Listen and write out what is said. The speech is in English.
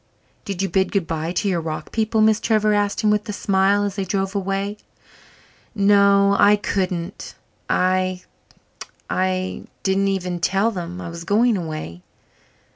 "Did you bid good bye to your rock people?" Miss Trevor asked him with a smile as they drove away. "No. I couldn't I I didn't even tell them I was going away.